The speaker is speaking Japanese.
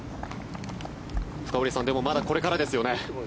深堀さんでもまだ、これからですよね。